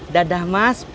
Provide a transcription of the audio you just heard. dadah mas pur